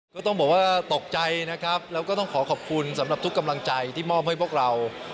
ก็ต้องบอกว่าตกใจนะครับแล้วก็ต้องขอขอบคุณสำหรับทุกกำลังใจที่มอบให้พวกเรา